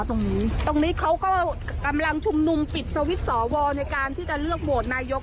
ตรงนี้ตรงนี้เขาก็กำลังชุมนุมปิดสวิตช์สอวอในการที่จะเลือกโหวตนายก